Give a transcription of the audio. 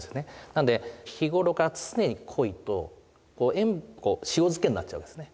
なので日頃から常に濃いと塩漬けになっちゃうんですね。